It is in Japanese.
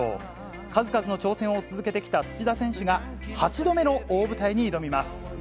数々の挑戦を続けてきた土田選手が、８度目の大舞台に挑みます。